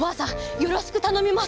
よろしくたのみます！